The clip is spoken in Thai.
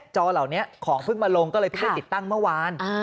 จอเหล่านี้ของเพิ่งมาลงก็เลยเพิ่งได้ติดตั้งเมื่อวาน